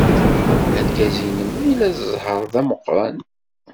Argaz-nnem ila zzheṛ d ameqran.